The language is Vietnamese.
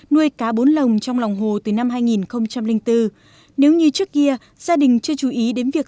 nuôi cá bốn lồng trong lòng hồ từ năm hai nghìn bốn nếu như trước kia gia đình chưa chú ý đến việc